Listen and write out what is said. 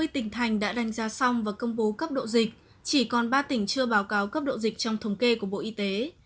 ba mươi tỉnh thành đã đánh giá xong và công bố cấp độ dịch chỉ còn ba tỉnh chưa báo cáo cấp độ dịch trong thống kê của bộ y tế